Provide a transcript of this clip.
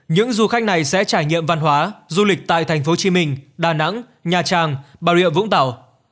những du khách này sẽ trải nghiệm văn hóa du lịch tại thành phố hồ chí minh đà nẵng nhà trang bà rịa vũng tàu